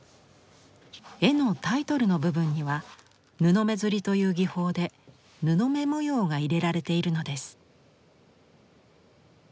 絵のタイトルの部分には布目摺という技法で布目模様が入れられているのです。